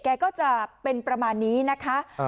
แกก็จะเป็นประมาณนี้นะคะ